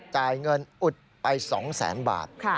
จ่ายเงินอุดไป๒แสนบาท